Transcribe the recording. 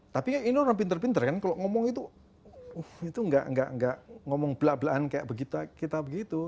tapi ini orang pintar pintar kan kalau ngomong itu tidak ngomong belak belahan seperti kita begitu